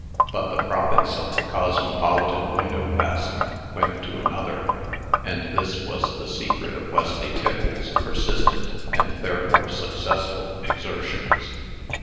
But the profits of the "Cosmopolitan Window Fastener" went to another; and this was the secret of Wesley Tiffles's persistent (and therefore successful) exertions.